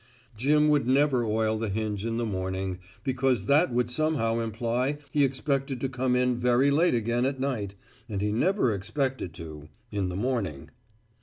Jim would never oil the hinge in the morning, because that would somehow imply he expected to come in very late again at night, and he never expected to in the morning.